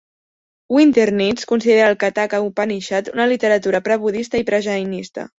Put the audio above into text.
Winternitz considera el Kathaka Upanishad una literatura prebudista i prejainista.